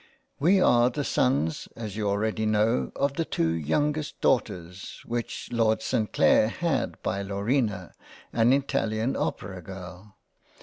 " We are the sons as you already know, of the two youngest Daughters which Lord St Clair had by Laurina an italian opera girl.